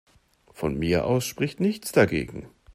Von mir aus spricht nichts dagegen.